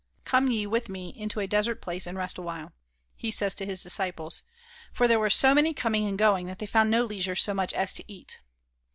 "Come ye with me into a desert place and rest awhile," he says to his disciples, "for there were so many coming and going that they found no leisure so much as to eat."